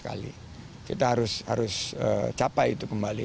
kita harus capai itu kembali